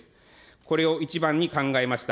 これを一番に考えました。